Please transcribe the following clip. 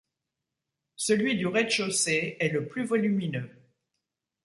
Celui du rez-de-chaussée est le plus volumineux.